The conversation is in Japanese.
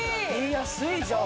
安いじゃん。